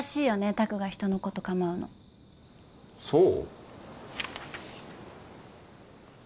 拓が人のことかまうのそう？